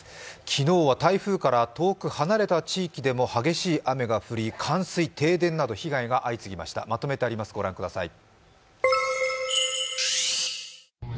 昨日は台風から遠く離れた地域でも激しい雨が降り冠水、停電など被害が相次ぎましたまとめてあります、ご覧ください。